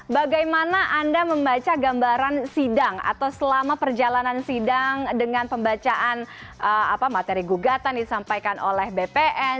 bagaimana anda membaca gambaran sidang atau selama perjalanan sidang dengan pembacaan materi gugatan disampaikan oleh bpn